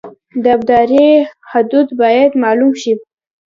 د ابدارۍ حدود باید معلوم شي